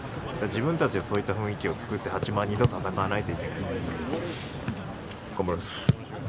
自分たちがそういった雰囲気を作って８万人と戦わないといけないので頑張ります。